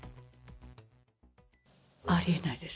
ありえないです。